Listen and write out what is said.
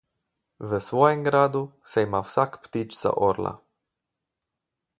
V svojem gradu se ima vsak ptič za orla.